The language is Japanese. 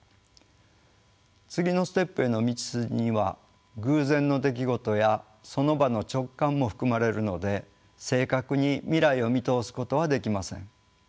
次のステップへの道筋には偶然の出来事やその場の直感も含まれるので正確に未来を見通すことはできません。